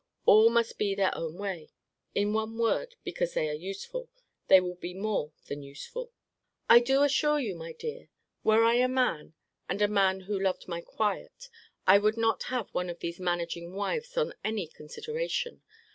All must be their own way. In one word, because they are useful, they will be more than useful. I do assure you, my dear, were I man, and a man who loved my quiet, I would not have one of these managing wives on any consideration.